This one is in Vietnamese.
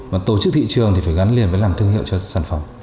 và tổ chức thị trường thì phải gắn liền với làm thương hiệu cho sản phẩm